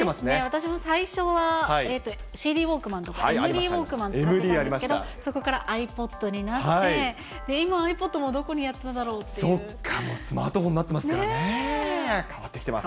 私も最初はＣＤウォークマンとか、ＭＤウォークマン使ってたんですけど、そこからｉＰｏｄになって、今、ｉＰｏｄもどこにやったんだそっか、もうスマートフォンになってますからね、変わってきてます。